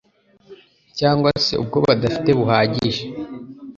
cyangwa se ubwo bafite budahagije